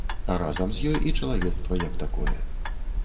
А разам з ёй і чалавецтва як такое.